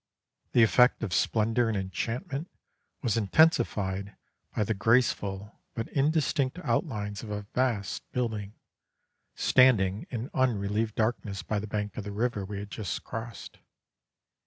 The effect of splendour and enchantment was intensified by the graceful but indistinct outlines of a vast building, standing in unrelieved darkness by the bank of the river we had just crossed.